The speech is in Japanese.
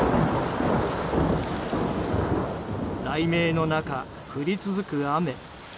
雷鳴の中、降り続く雨。